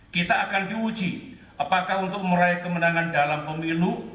kita akan diuji apakah untuk meraih kemenangan dalam pemilu